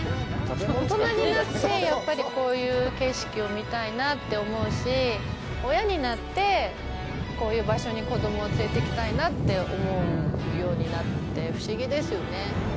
大人になって、やっぱりこういう景色を見たいなって思うし親になって、こういう場所に子供を連れてきたいなって思うようになって不思議ですよね。